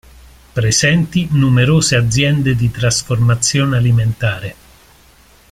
Presenti numerose aziende di trasformazione alimentare.